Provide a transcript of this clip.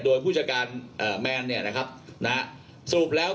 โดยผู้จัดการแมนเนี่ยนะครับสรุปแล้ว